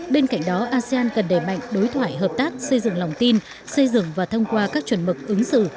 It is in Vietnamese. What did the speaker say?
bên cạnh đó asean cần đẩy mạnh đối thoại hợp tác xây dựng lòng tin xây dựng và thông qua các chuẩn mực ứng xử